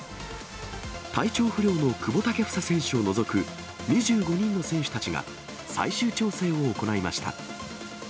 体調不良の久保建英選手を除く２５人の選手たちが、最終調整を行いました。